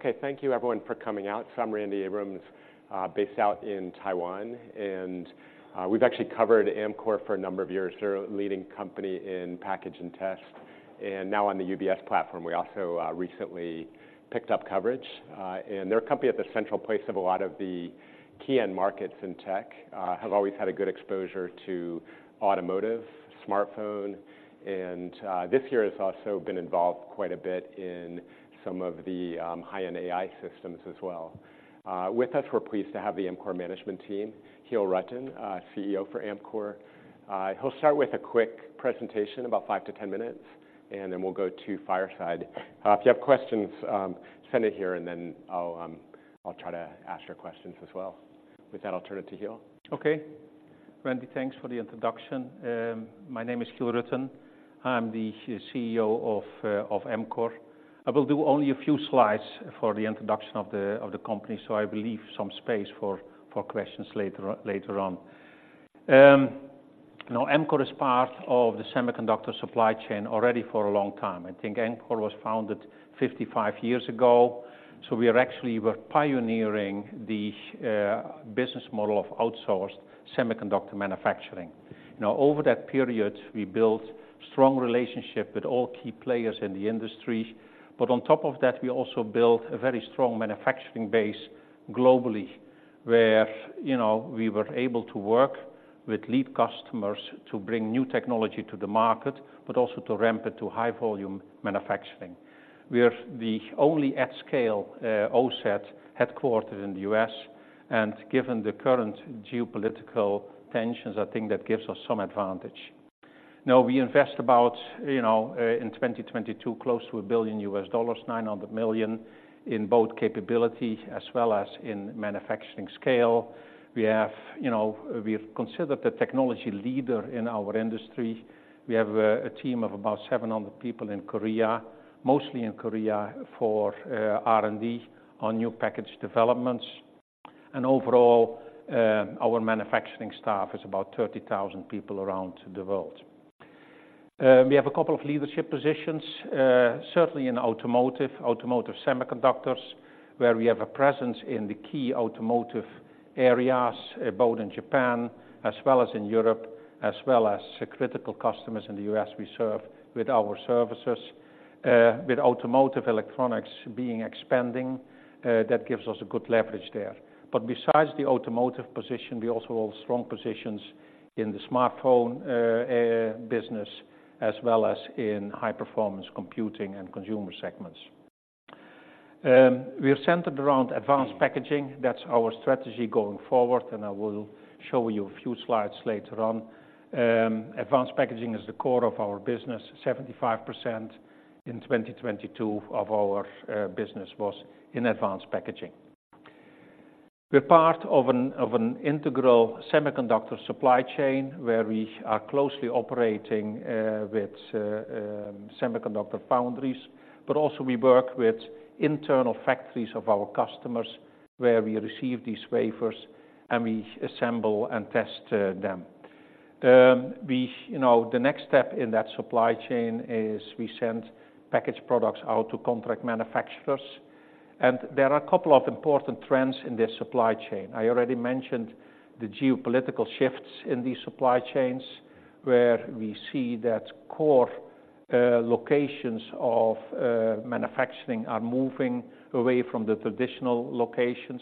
Okay, thank you everyone for coming out. So I'm Randy Abrams, based out in Taiwan, and we've actually covered Amkor for a number of years. They're a leading company in package and test, and now on the UBS platform, we also recently picked up coverage. They're a company at the central place of a lot of the key end markets in tech, have always had a good exposure to automotive, smartphone, and this year has also been involved quite a bit in some of the high-end AI systems as well. With us, we're pleased to have the Amkor management team, Giel Rutten, CEO for Amkor. He'll start with a quick presentation, about 5 to 10 minutes, and then we'll go to Fireside. If you have questions, send it here, and then I'll try to ask your questions as well. With that, I'll turn it to Giel. Okay. Randy, thanks for the introduction. My name is Giel Rutten. I'm the CEO of Amkor. I will do only a few slides for the introduction of the company, so I will leave some space for questions later on. Now Amkor is part of the semiconductor supply chain already for a long time. I think Amkor was founded 55 years ago, so we are actually were pioneering the business model of outsourced semiconductor manufacturing. Now, over that period, we built strong relationship with all key players in the industry, but on top of that, we also built a very strong manufacturing base globally, where, you know, we were able to work with lead customers to bring new technology to the market, but also to ramp it to high volume manufacturing. We are the only at-scale OSAT headquartered in the U.S., and given the current geopolitical tensions, I think that gives us some advantage. Now, we invest about, you know, in 2020 close to $1 billion, $900 million, in both capability as well as in manufacturing scale. We have, you know, we are considered the technology leader in our industry. We have a team of about 700 people in Korea, mostly in Korea, for R&D on new package developments. And overall, our manufacturing staff is about 30,000 people around the world. We have a couple of leadership positions, certainly in automotive, automotive semiconductors, where we have a presence in the key automotive areas, both in Japan as well as in Europe, as well as critical customers in the U.S. we serve with our services. With automotive electronics being expanding, that gives us a good leverage there. But besides the automotive position, we also hold strong positions in the smartphone business, as well as in high-performance computing and consumer segments. We are centered around advanced packaging. That's our strategy going forward, and I will show you a few slides later on. Advanced packaging is the core of our business. 75% in 2022 of our business was in advanced packaging. We're part of an integral semiconductor supply chain, where we are closely operating with semiconductor foundries, but also we work with internal factories of our customers, where we receive these wafers, and we assemble and test them. You know, the next step in that supply chain is we send package products out to contract manufacturers, and there are a couple of important trends in this supply chain. I already mentioned the geopolitical shifts in these supply chain, where we see that core, locations of, manufacturing are moving away from the traditional locations.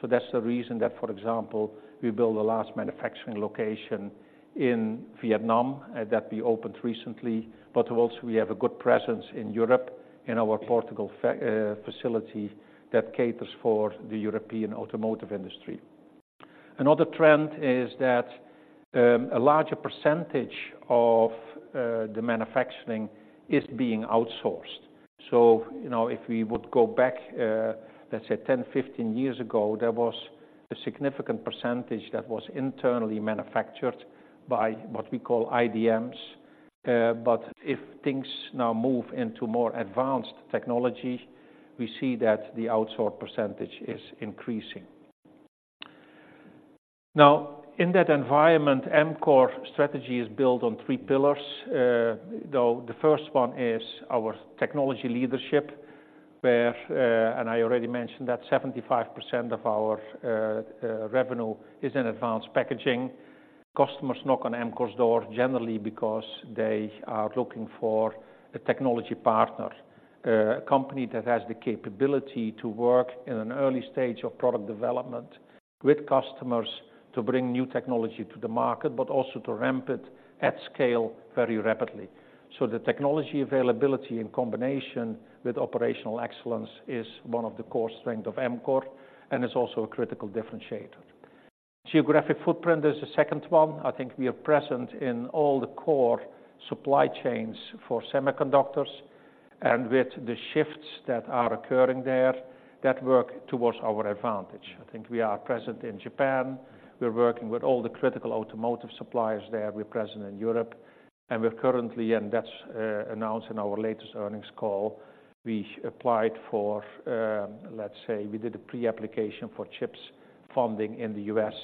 So that's the reason that, for example, we built the last manufacturing location in Vietnam, that we opened recently. But also we have a good presence in Europe, in our Portugal facility that caters for the European automotive industry. Another trend is that, a larger percentage of, the manufacturing is being outsourced. So, you know, if we would go back, let's say, 10, 15 years ago, there was a significant percentage that was internally manufactured by what we call IDMs. But if things now move into more advanced technology, we see that the outsourced percentage is increasing. Now, in that environment, Amkor's strategy is built on three pillars. Though the first one is our technology leadership, where and I already mentioned that 75% of our revenue is in advanced packaging. Customers knock on Amkor's door generally because they are looking for a technology partner, a company that has the capability to work in an early stage of product development with customers to bring new technology to the market, but also to ramp it at scale very rapidly. So the technology availability in combination with operational excellence is one of the core strength of Amkor and is also a critical differentiator. Geographic footprint is the second one. I think we are present in all the core supply chains for semiconductors, and with the shifts that are occurring there, that work towards our advantage. I think we are present in Japan. We're working with all the critical automotive suppliers there. We're present in Europe, and we're currently, and that's announced in our latest earnings call, we applied for. Let's say, we did a pre-application for CHIPS funding in the US,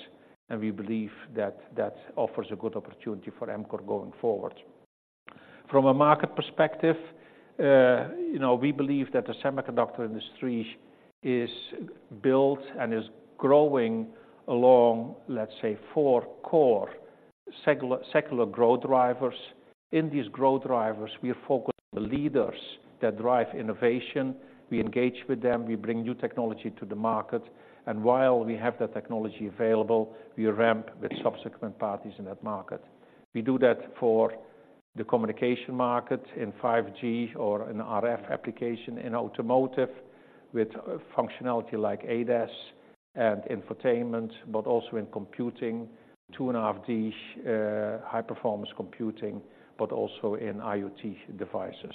and we believe that that offers a good opportunity for Amkor going forward. From a market perspective, you know, we believe that the semiconductor industry is built and is growing along, let's say, four core secular growth drivers. In these growth drivers, we are focused on the leaders that drive innovation. We engage with them, we bring new technology to the market, and while we have that technology available, we ramp with subsequent parties in that market. We do that for the communication market in 5G or in RF application, in automotive, with functionality like ADAS and infotainment, but also in computing, 2.5D, high-performance computing, but also in IoT devices.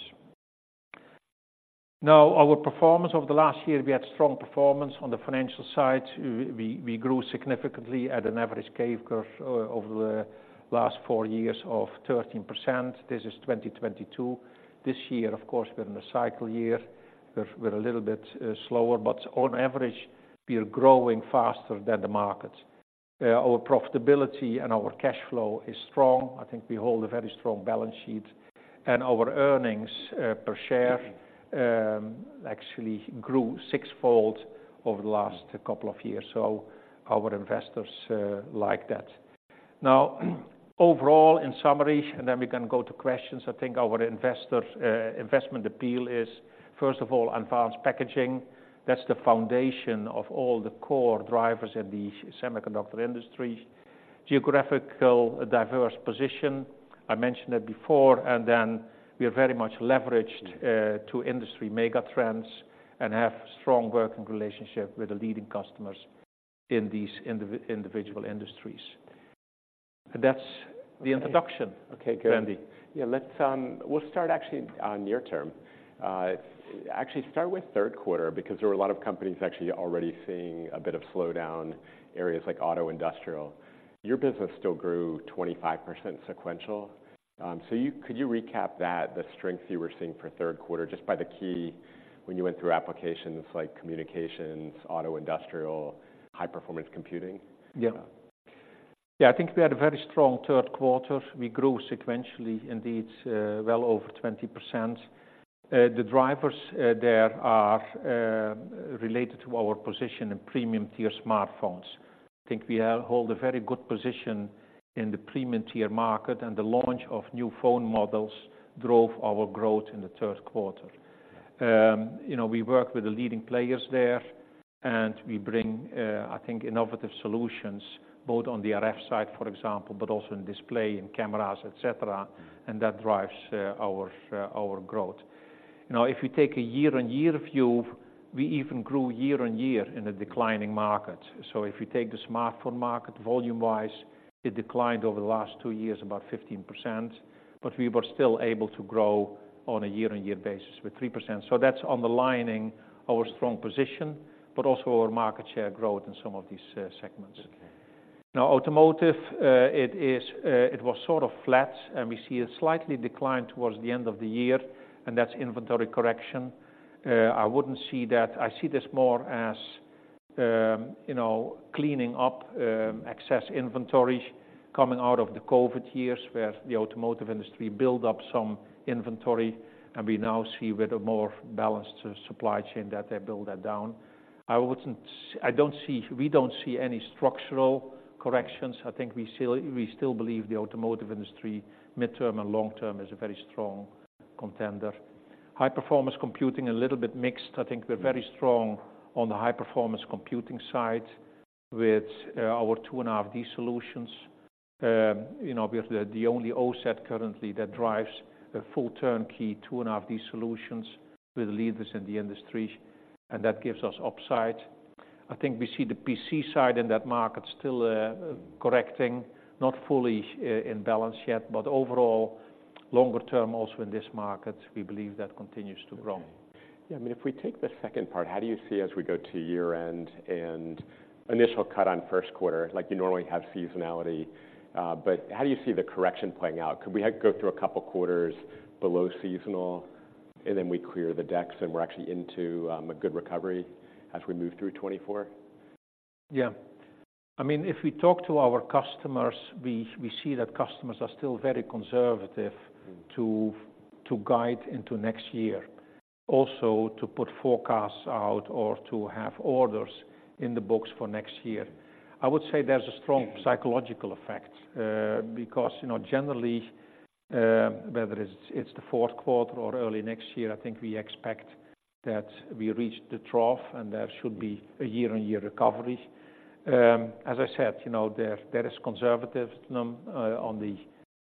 Now, our performance over the last year, we had strong performance on the financial side. We grew significantly at an average CAGR over the last four years of 13%. This is 2022. This year, of course, we're in a cycle year. We're a little bit slower, but on average, we are growing faster than the market. Our profitability and our cash flow is strong. I think we hold a very strong balance sheet, and our earnings, per share, actually grew sixfold over the last couple of years, so our investors, like that. Now, overall, in summary, and then we can go to questions, I think our investors- investment appeal is, first of all, Advanced Packaging. That's the foundation of all the core drivers in the semiconductor industry. Geographically diverse position, I mentioned it before, and then we are very much leveraged, to industry mega trends and have strong working relationship with the leading customers in these individual industries. And that's the introduction- Okay. Randy. Yeah, let's. We'll start actually on near term. Actually, start with third quarter, because there were a lot of companies actually already seeing a bit of slowdown in areas like auto industrial. Your business still grew 25% sequential. So, could you recap that, the strength you were seeing for third quarter, just by the key when you went through applications like communications, auto industrial, high-performance computing? Yeah. Yeah, I think we had a very strong third quarter. We grew sequentially, indeed, well over 20%. The drivers there are related to our position in premium-tier smartphones. I think we hold a very good position in the premium-tier market, and the launch of new phone models drove our growth in the third quarter. You know, we work with the leading players there, and we bring, I think, innovative solutions, both on the RF side, for example, but also in display, in cameras, et cetera, and that drives our growth. Now, if you take a year-on-year view, we even grew year on year in a declining market. If you take the smartphone market, volume-wise, it declined over the last two years, about 15%, but we were still able to grow on a year-on-year basis with 3%. So that's underlining our strong position, but also our market share growth in some of these segments. Okay. Now, automotive, it was sort of flat, and we see a slight decline towards the end of the year, and that's inventory correction. I wouldn't see that. I see this more as, you know, cleaning up excess inventory coming out of the COVID years, where the automotive industry built up some inventory, and we now see with a more balanced supply chain that they build that down. I wouldn't. I don't see, we don't see any structural corrections. I think we still believe the automotive industry, midterm and long term, is a very strong contender. High-performance computing, a little bit mixed. I think we're very strong on the high-performance computing side with our 2.5D solutions. You know, we are the only OSAT currently that drives a full turnkey 2.5D solutions with leaders in the industry, and that gives us upside. I think we see the PC side in that market still correcting, not fully in balance yet, but overall, longer term, also in this market, we believe that continues to grow. Yeah, I mean, if we take the second part, how do you see as we go to year-end and initial cut on first quarter? Like, you normally have seasonality, but how do you see the correction playing out? Could we have to go through a couple quarters below seasonal, and then we clear the decks, and we're actually into a good recovery as we move through 2024? Yeah. I mean, if we talk to our customers, we see that customers are still very conservative. Mm... to guide into next year, also to put forecasts out or to have orders in the books for next year. I would say there's a strong- Mm psychological effect, because, you know, generally, whether it's, it's the fourth quarter or early next year, I think we expect that we reach the trough, and there should be a year-on-year recovery. As I said, you know, there, there is conservatism, on the,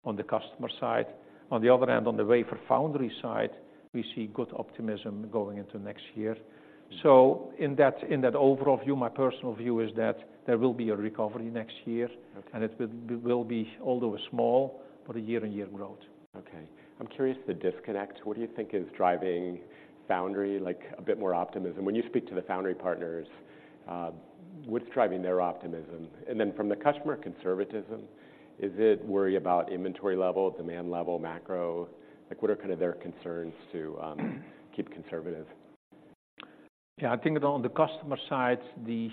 on the customer side. On the other hand, on the wafer foundry side, we see good optimism going into next year. Mm. So in that, in that overall view, my personal view is that there will be a recovery next year. Okay. It will be, although small, but a year-on-year growth. Okay. I'm curious, the disconnect. What do you think is driving foundry, like, a bit more optimism? When you speak to the foundry partners, what's driving their optimism? And then from the customer conservatism, is it worry about inventory level, demand level, macro? Like, what are kind of their concerns to keep conservative?... Yeah, I think on the customer side, the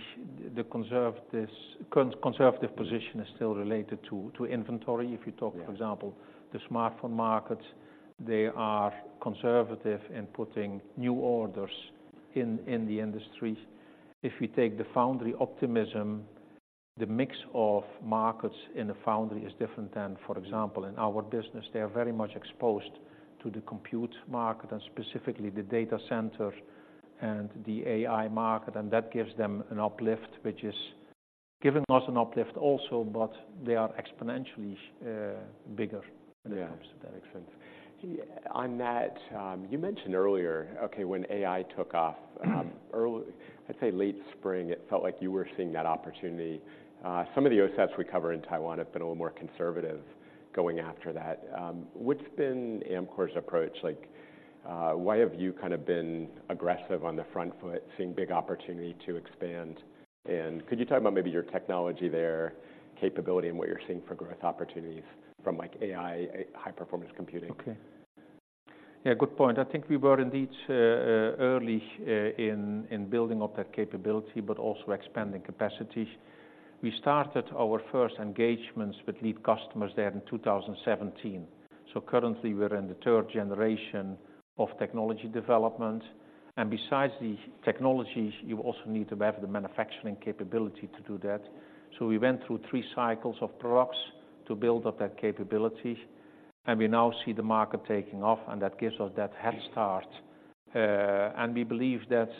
conservative position is still related to inventory. If you talk- Yeah For example, the smartphone markets, they are conservative in putting new orders in, in the industry. If you take the foundry optimism, the mix of markets in the foundry is different than, for example, in our business. They are very much exposed to the compute market, and specifically the data center and the AI market, and that gives them an uplift, which is giving us an uplift also, but they are exponentially bigger- Yeah When it comes to that extent. On that, you mentioned earlier, okay, when AI took off, I'd say late spring, it felt like you were seeing that opportunity. Some of the OSATs we cover in Taiwan have been a little more conservative going after that. What's been Amkor's approach? Like, why have you kind of been aggressive on the front foot, seeing big opportunity to expand? And could you talk about maybe your technology there, capability, and what you're seeing for growth opportunities from, like, AI, high-performance computing? Okay. Yeah, good point. I think we were indeed early in building up that capability, but also expanding capacity. We started our first engagements with lead customers there in 2017. So currently, we're in the third generation of technology development. And besides the technologies, you also need to have the manufacturing capability to do that. So we went through three cycles of products to build up that capability, and we now see the market taking off, and that gives us that head start. And we believe that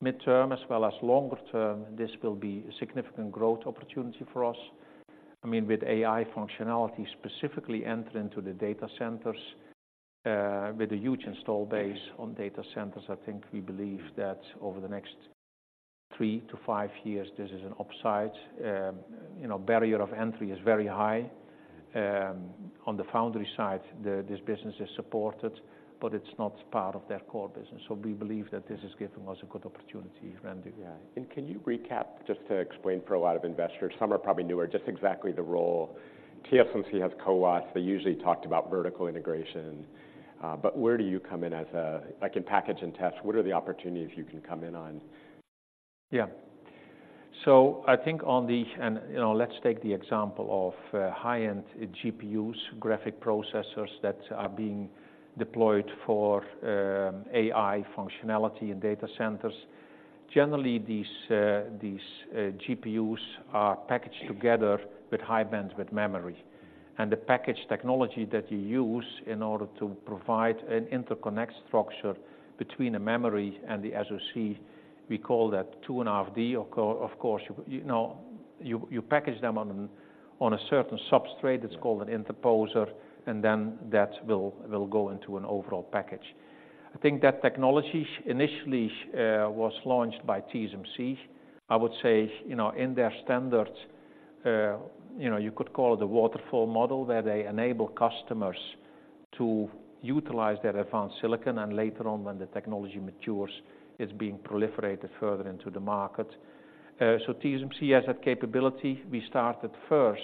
mid-term, as well as longer term, this will be a significant growth opportunity for us. I mean, with AI functionality specifically entering into the data centers, with a huge install base on data centers, I think we believe that over the next 3-5 years, this is an upside. You know, barrier of entry is very high. On the foundry side, this business is supported, but it's not part of their core business. So we believe that this is giving us a good opportunity, Randy. Yeah. And can you recap, just to explain for a lot of investors, some are probably newer, just exactly the role. TSMC has CoWoS. They usually talked about vertical integration, but where do you come in as a... Like, in package and test, what are the opportunities you can come in on? Yeah. So I think, you know, let's take the example of high-end GPUs, graphic processors, that are being deployed for AI functionality in data centers. Generally, these GPUs are packaged together with high bandwidth memory. And the package technology that you use in order to provide an interconnect structure between the memory and the SoC, we call that 2.5D. Of course, you know, you package them on a certain substrate- Yeah That's called an interposer, and then that will go into an overall package. I think that technology initially was launched by TSMC. I would say, you know, in their standard, you know, you could call it the waterfall model, where they enable customers to utilize their advanced silicon, and later on, when the technology matures, it's being proliferated further into the market. So TSMC has that capability. We started first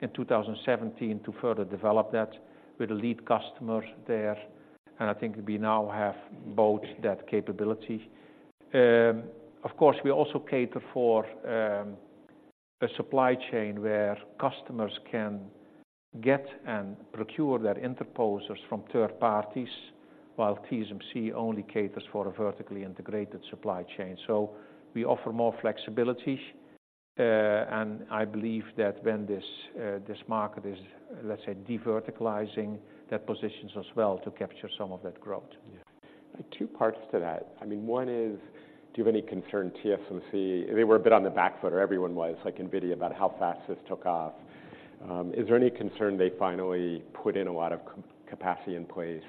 in 2017 to further develop that with the lead customer there, and I think we now have both that capability. Of course, we also cater for a supply chain where customers can get and procure their interposers from third parties, while TSMC only caters for a vertically integrated supply chain. We offer more flexibility, and I believe that when this market is, let's say, deverticalizing, that positions us well to capture some of that growth. Yeah. Two parts to that. I mean, one is, do you have any concern TSMC... They were a bit on the back foot, or everyone was, like NVIDIA, about how fast this took off. Is there any concern they finally put in a lot of capacity in place?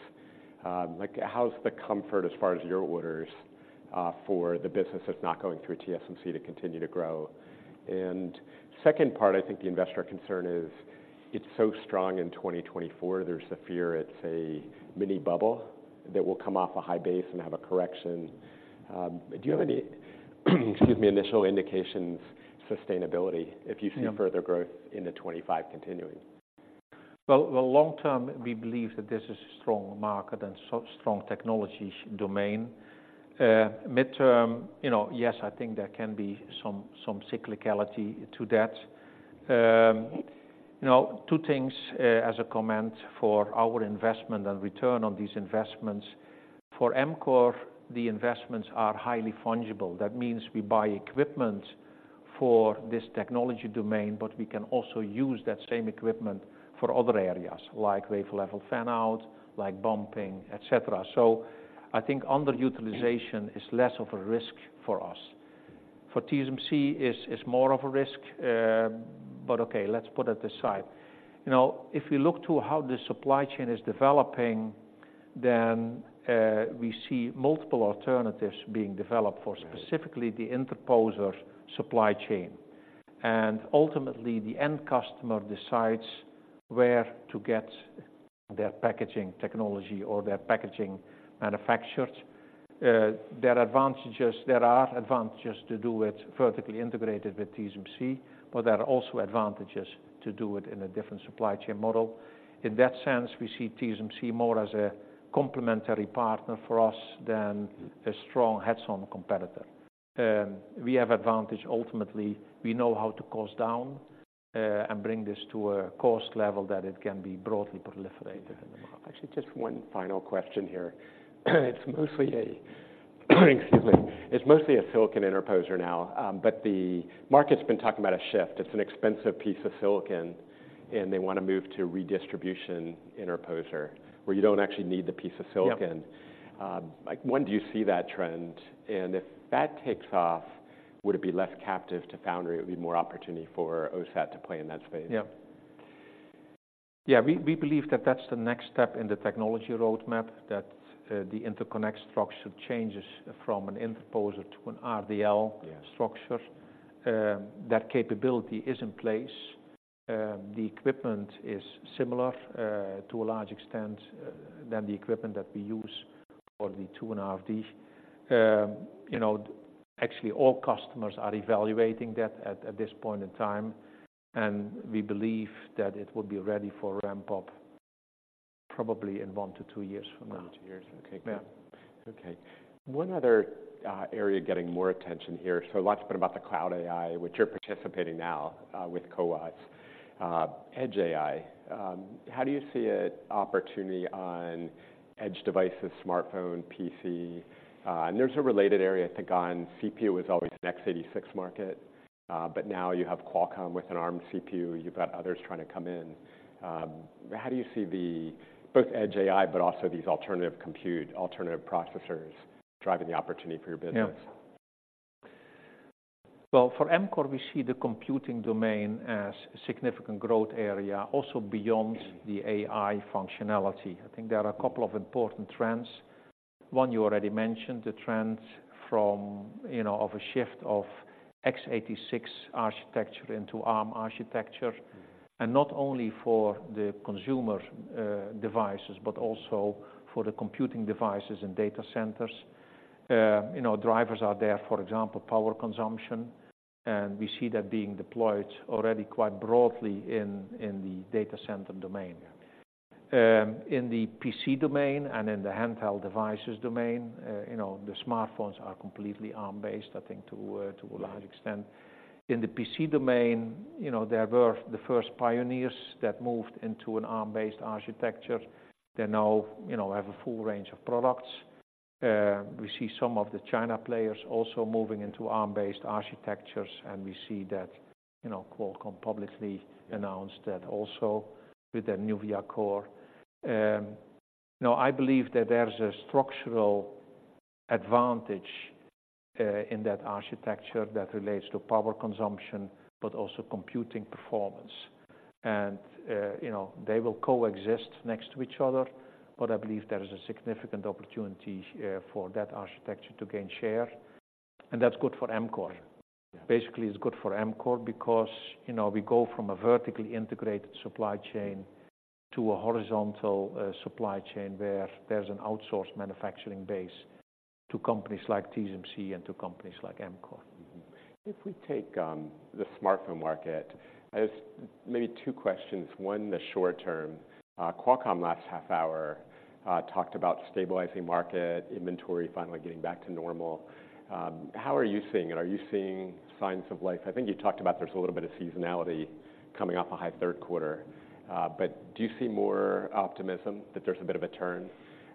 Like, how's the comfort as far as your orders, for the business that's not going through TSMC to continue to grow? And second part, I think the investor concern is, it's so strong in 2024, there's a fear it's a mini bubble that will come off a high base and have a correction. Do you have any, excuse me, initial indications, sustainability, if you see- Yeah further growth in the 25 continuing? Well, well, long term, we believe that this is a strong market and so strong technology domain. Mid-term, you know, yes, I think there can be some cyclicality to that. You know, two things, as a comment for our investment and return on these investments. For Amkor, the investments are highly fungible. That means we buy equipment for this technology domain, but we can also use that same equipment for other areas, like wafer-level fan-out, like bumping, et cetera. So I think underutilization is less of a risk for us. For TSMC, it's more of a risk, but okay, let's put it aside. You know, if we look to how the supply chain is developing, then we see multiple alternatives being developed- Right for specifically the interposer supply chain. And ultimately, the end customer decides where to get their packaging technology or their packaging manufactured. There are advantages, there are advantages to do it vertically integrated with TSMC, but there are also advantages to do it in a different supply chain model. In that sense, we see TSMC more as a complementary partner for us than a strong head-on competitor. We have advantage ultimately, we know how to cost down, and bring this to a cost level that it can be broadly proliferated in the market. Actually, just one final question here. It's mostly a, excuse me, it's mostly a silicon interposer now, but the market's been talking about a shift. It's an expensive piece of silicon, and they want to move to redistribution interposer, where you don't actually need the piece of silicon. Yep. Like, when do you see that trend? And if that takes off, would it be less captive to foundry? It would be more opportunity for OSAT to play in that space. Yep. Yeah, we believe that that's the next step in the technology roadmap, that the interconnect structure changes from an interposer to an RDL- Yeah - structure. That capability is in place. The equipment is similar, to a large extent, than the equipment that we use for the 2.5D. You know, actually, all customers are evaluating that at this point in time, and we believe that it will be ready for ramp up probably in 1-2 years from now. 1-2 years. Okay. Yeah. Okay. One other area getting more attention here, so a lot's been about the cloud AI, which you're participating now with CoWoS. Edge AI, how do you see a opportunity on edge devices, smartphone, PC? And there's a related area to ARM. CPU was always an x86 market, but now you have Qualcomm with an ARM CPU, you've got others trying to come in. How do you see the both edge AI, but also these alternative compute, alternative processors driving the opportunity for your business? Yeah. Well, for Amkor, we see the computing domain as a significant growth area, also beyond the AI functionality. I think there are a couple of important trends. One, you already mentioned, the trend from, you know, of a shift of x86 architecture into ARM architecture, and not only for the consumer devices, but also for the computing devices and data centers. You know, drivers are there, for example, power consumption, and we see that being deployed already quite broadly in the data center domain. In the PC domain and in the handheld devices domain, you know, the smartphones are completely ARM-based, I think, to a large extent. In the PC domain, you know, there were the first pioneers that moved into an ARM-based architecture. They now, you know, have a full range of products. We see some of the China players also moving into ARM-based architectures, and we see that, you know, Qualcomm publicly announced that also with the Nuvia core. Now, I believe that there is a structural advantage in that architecture that relates to power consumption, but also computing performance. You know, they will coexist next to each other, but I believe there is a significant opportunity for that architecture to gain share, and that's good for Amkor. Yeah. Basically, it's good for Amkor because, you know, we go from a vertically integrated supply chain to a horizontal supply chain, where there's an outsourced manufacturing base to companies like TSMC and to companies like Amkor. Mm-hmm. If we take the smartphone market, there's maybe two questions. One, the short term. Qualcomm, last half hour, talked about stabilizing market, inventory finally getting back to normal. How are you seeing it? Are you seeing signs of life? I think you talked about there's a little bit of seasonality coming off a high third quarter. But do you see more optimism that there's a bit of a turn?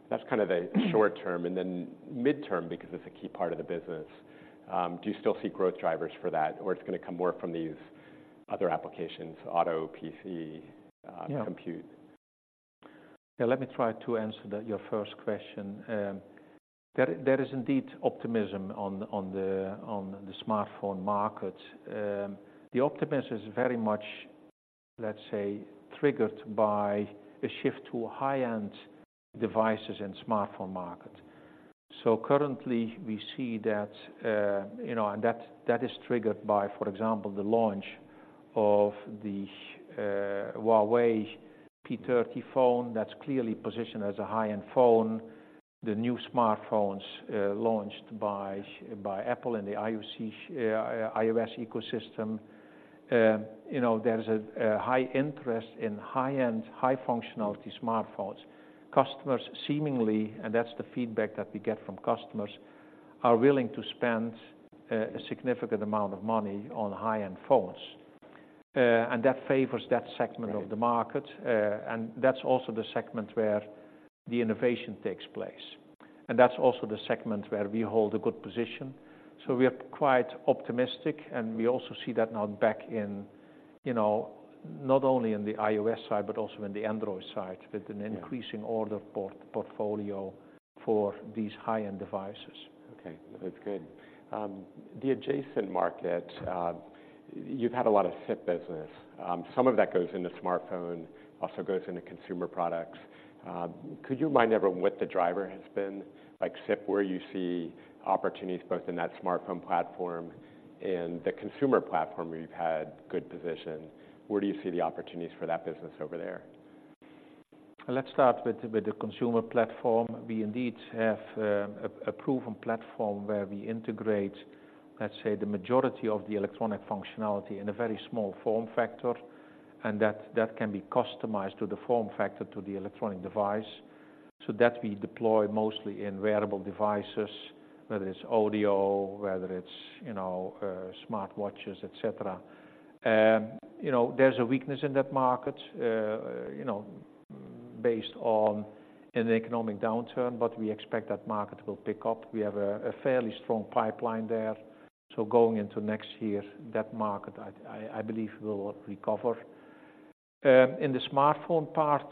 That's kind of a short term, and then midterm, because it's a key part of the business, do you still see growth drivers for that, or it's going to come more from these other applications, auto, PC- Yeah... compute? Yeah, let me try to answer your first question. There is indeed optimism on the smartphone market. The optimism is very much, let's say, triggered by a shift to high-end devices and smartphone market. So currently, we see that, you know, and that is triggered by, for example, the launch of the Huawei P30 phone. That's clearly positioned as a high-end phone. The new smartphones launched by Apple and the iOS ecosystem. You know, there is a high interest in high-end, high-functionality smartphones. Customers seemingly, and that's the feedback that we get from customers, are willing to spend a significant amount of money on high-end phones, and that favors that segment- Right... of the market. That's also the segment where the innovation takes place, and that's also the segment where we hold a good position. We are quite optimistic, and we also see that now back in, you know, not only in the iOS side but also in the Android side- Yeah with an increasing order portfolio for these high-end devices. Okay, that's good. The adjacent market, you've had a lot of SiP business. Some of that goes into smartphone, also goes into consumer products. Could you remind everyone what the driver has been, like, SiP, where you see opportunities both in that smartphone platform and the consumer platform, where you've had good position? Where do you see the opportunities for that business over there? Let's start with the consumer platform. We indeed have a proven platform where we integrate, let's say, the majority of the electronic functionality in a very small form factor... and that can be customized to the form factor, to the electronic device. So that we deploy mostly in wearable devices, whether it's audio, whether it's, you know, smartwatches, et cetera. You know, there's a weakness in that market, you know, based on an economic downturn, but we expect that market will pick up. We have a fairly strong pipeline there. So going into next year, that market, I believe, will recover. In the smartphone part,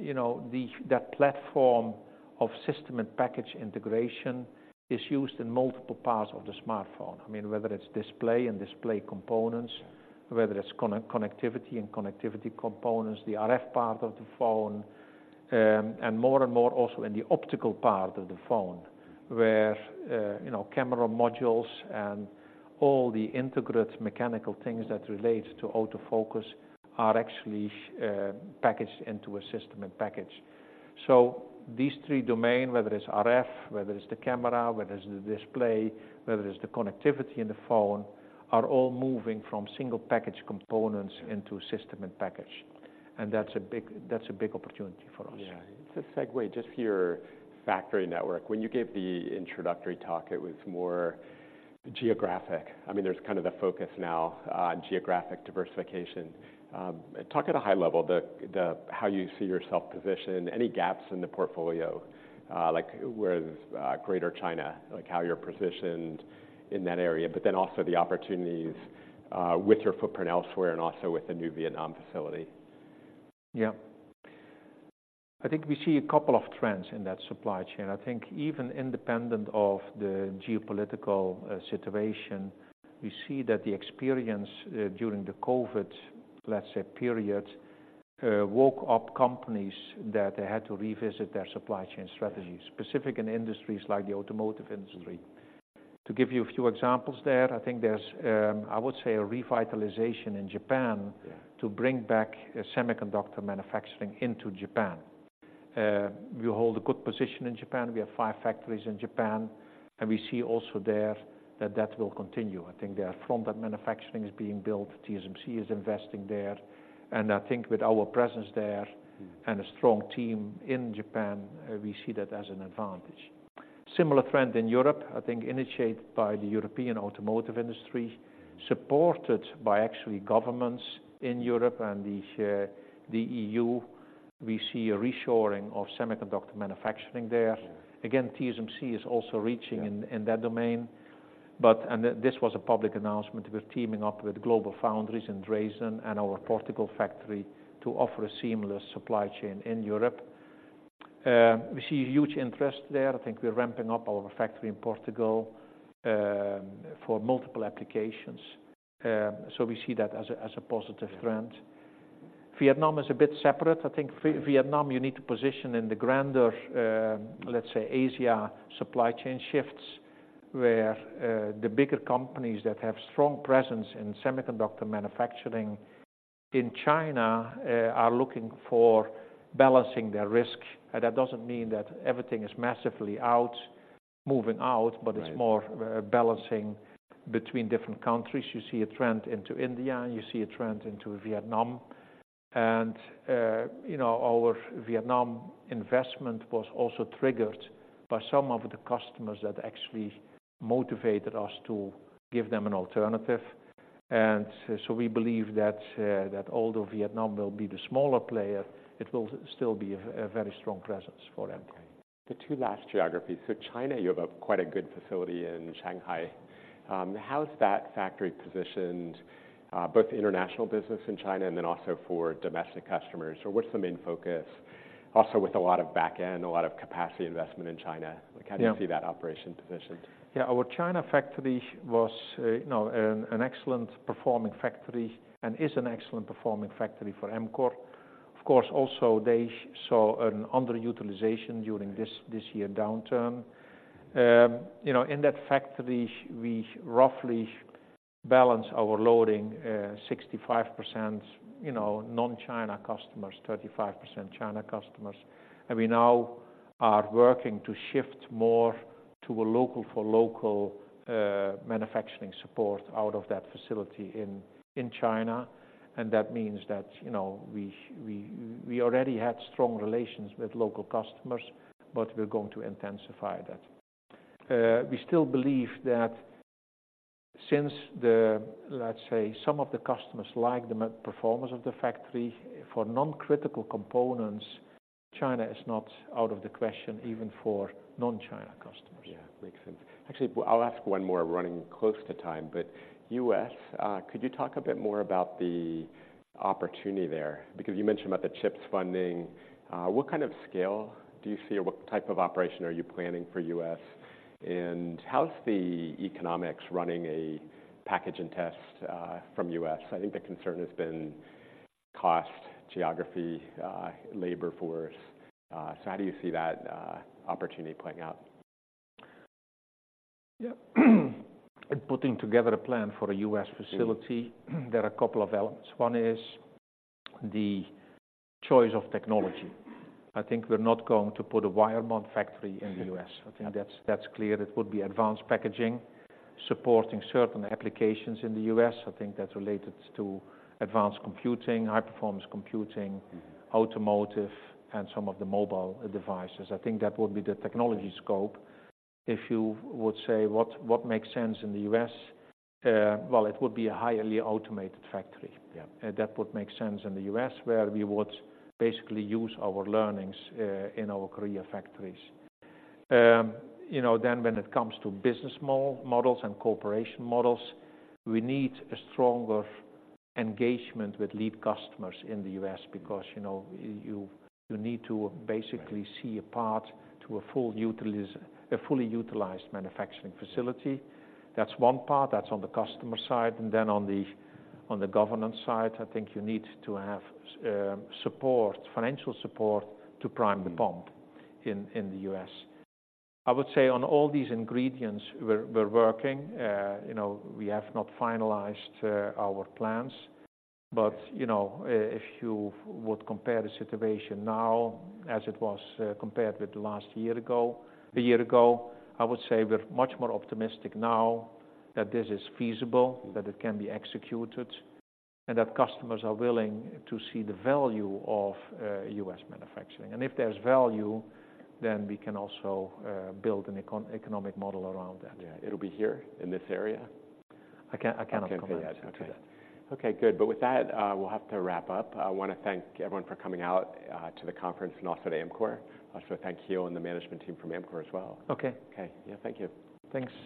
you know, that platform of System-in-package integration is used in multiple parts of the smartphone. I mean, whether it's display and display components, whether it's connectivity and connectivity components, the RF part of the phone, and more and more also in the optical part of the phone, where, you know, camera modules and all the integrated mechanical things that relates to autofocus are actually packaged into a system-in-package. So these three domain, whether it's RF, whether it's the camera, whether it's the display, whether it's the connectivity in the phone, are all moving from single package components- Yeah. into System-in-Package, and that's a big, that's a big opportunity for us. Yeah. It's a segue just for your factory network. When you gave the introductory talk, it was more geographic. I mean, there's kind of the focus now on geographic diversification. Talk at a high level, how you see yourself positioned, any gaps in the portfolio, like, where Greater China, like, how you're positioned in that area, but then also the opportunities, with your footprint elsewhere and also with the new Vietnam facility. Yeah. I think we see a couple of trends in that supply chain. I think even independent of the geopolitical situation, we see that the experience during the COVID, let's say, period woke up companies that they had to revisit their supply chain strategies- Right. -specific in industries like the automotive industry. To give you a few examples there, I think there's, I would say, a revitalization in Japan- Yeah... to bring back semiconductor manufacturing into Japan. We hold a good position in Japan. We have five factories in Japan, and we see also there that that will continue. I think their front-end manufacturing is being built, TSMC is investing there, and I think with our presence there- Mm... and a strong team in Japan, we see that as an advantage. Similar trend in Europe, I think, initiated by the European automotive industry- Mm... supported by actually governments in Europe and the EU, we see a reshoring of semiconductor manufacturing there. Yeah. Again, TSMC is also reaching- Yeah... in that domain, but. And this was a public announcement: We're teaming up with GlobalFoundries in Dresden and our Portugal factory to offer a seamless supply chain in Europe. We see huge interest there. I think we're ramping up our factory in Portugal for multiple applications. So we see that as a positive trend. Yeah. Vietnam is a bit separate. I think- Mm... Vietnam, you need to position in the grander, let's say, Asia supply chain shifts, where the bigger companies that have strong presence in semiconductor manufacturing in China are looking for balancing their risk. And that doesn't mean that everything is massively out, moving out- Right... but it's more, balancing between different countries. You see a trend into India, and you see a trend into Vietnam. And, you know, our Vietnam investment was also triggered by some of the customers that actually motivated us to give them an alternative. And so we believe that, that although Vietnam will be the smaller player, it will still be a very strong presence for Amkor. The two last geographies. So China, you have quite a good facility in Shanghai. How is that factory positioned, both international business in China and then also for domestic customers? So what's the main focus? Also, with a lot of back end, a lot of capacity investment in China- Yeah... how do you see that operation positioned? Yeah. Our China factory was, you know, an excellent performing factory and is an excellent performing factory for Amkor. Of course, also they saw an underutilization during this- Yeah... this year downturn. You know, in that factory, we roughly balance our loading, 65%, you know, non-China customers, 35% China customers. And we now are working to shift more to a local for local, manufacturing support out of that facility in China, and that means that, you know, we already had strong relations with local customers, but we're going to intensify that. We still believe that since the, let's say, some of the customers like the performance of the factory, for non-critical components, China is not out of the question, even for non-China customers. Yeah, makes sense. Actually, I'll ask one more. We're running close to time. But U.S., could you talk a bit more about the opportunity there? Because you mentioned about the CHIPS funding. What kind of scale do you see, or what type of operation are you planning for U.S.? And how's the economics running a package and test from U.S.? I think the concern has been cost, geography, labor force. So how do you see that opportunity playing out? Yeah. In putting together a plan for a U.S. facility- Mm... there are a couple of elements. One is the choice of technology. I think we're not going to put a wire bond factory in the U.S. Yeah. I think that's clear. It would be advanced packaging, supporting certain applications in the U.S. I think that's related to advanced computing, high-performance computing- Mm-hmm... automotive, and some of the mobile devices. I think that would be the technology scope. If you would say, what, what makes sense in the US? Well, it would be a highly automated factory. Yeah. That would make sense in the US, where we would basically use our learnings in our Korea factories. You know, then when it comes to business models and cooperation models, we need a stronger engagement with lead customers in the US because, you know, you need to basically- Right... see a path to a fully utilized manufacturing facility. That's one part. That's on the customer side, and then on the governance side, I think you need to have support, financial support to prime the pump- Mm... in the US. I would say on all these ingredients, we're working. You know, we have not finalized our plans. Yeah. But, you know, if you would compare the situation now as it was, compared with last year ago, a year ago, I would say we're much more optimistic now that this is feasible- Mm... that it can be executed, and that customers are willing to see the value of U.S. manufacturing. If there's value, then we can also build an economic model around that. Yeah. It'll be here, in this area? I can't, I cannot comment on that. Okay. Yeah. Okay. Okay, good. But with that, we'll have to wrap up. I want to thank everyone for coming out to the conference and also to Amkor. Also, thank you and the management team from Amkor as well. Okay. Okay. Yeah, thank you. Thanks.